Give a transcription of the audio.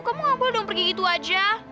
kamu ngobrol dong pergi gitu aja